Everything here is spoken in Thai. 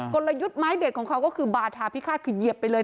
กลยุทธ์ไม้เด็ดของเขาก็คือบาทาพิฆาตคือเหยียบไปเลย